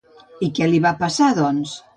I què li va passar, doncs?